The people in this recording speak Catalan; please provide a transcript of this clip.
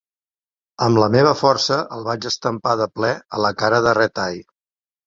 Amb la meva força el vaig estampar de ple a la cara de Red-Eye.